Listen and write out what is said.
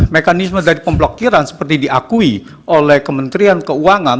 mekanisme dari pemblokiran seperti diakui oleh kementerian keuangan